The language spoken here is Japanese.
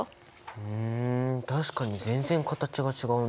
ふん確かに全然形が違うね。